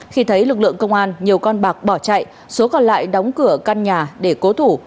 khi thấy lực lượng công an nhiều con bạc bỏ chạy số còn lại đóng cửa căn nhà để cố thủ